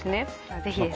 ぜひですね